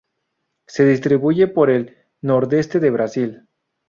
Se distribuyen por el nordeste de Brasil.